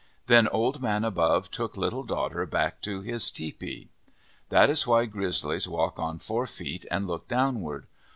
Then Old Man Above took Little Daughter back to his tepee. That is why grizzlies walk on four feet and look downward.